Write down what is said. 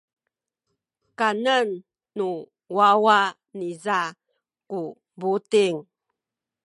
kanen nu wawa niza ku buting.